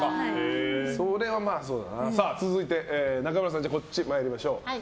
続いて、中村さんこっち参りましょう。